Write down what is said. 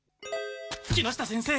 木下先生